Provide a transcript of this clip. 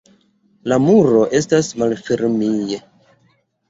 La muro estas malfermij.